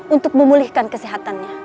untuk memulihkan kesehatannya